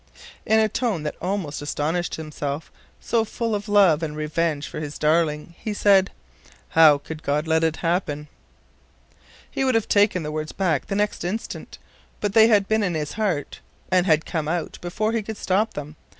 In a tone that almost astonished himself, so full was it of love and revenge for his darling, he said, "How could God let it happen?" He would have taken the words back the next instant, but they had been in his heart, and had come out before he could stop them.